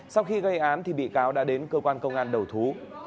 sau khi gây án thì bị cáo đã đến cơ quan công an đầu thú